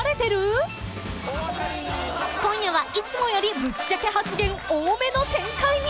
［今夜はいつもよりぶっちゃけ発言多めの展開に］